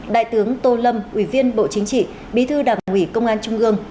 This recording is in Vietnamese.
đại tướng tô lâm ủy viên bộ chính trị bí thư đảng ủy công an trung ương